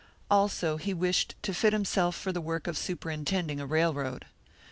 Also he wished to fit himself for the work of superintending a railroad.